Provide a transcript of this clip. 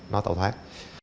nó tạo thoát